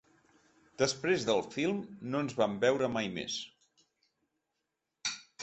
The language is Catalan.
Després del film no ens vam veure mai més.